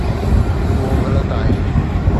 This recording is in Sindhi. اهو غلط آهي